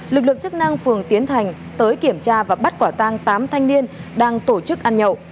lực lượng chức năng phường tiến thành tới kiểm tra và bắt quả tang tám thanh niên đang tổ chức ăn nhậu